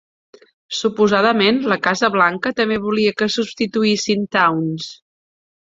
Suposadament, la Casa Blanca també volia que substituïssin Towns.